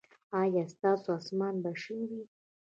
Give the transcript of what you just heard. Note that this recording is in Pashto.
ایا ستاسو اسمان به شین وي؟